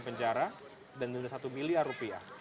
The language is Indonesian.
penjara dan denda satu miliar rupiah